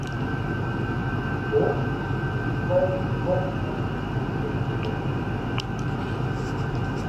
Borchers was involved with property management in Decatur.